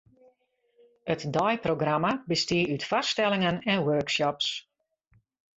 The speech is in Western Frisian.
It deiprogramma bestie út foarstellingen en workshops.